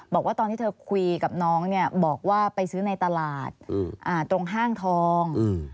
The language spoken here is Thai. บอกว่าตอนที่เธอคุยกับน้องเนี่ยบอกว่าไปซื้อในตลาดตรงห้างทอง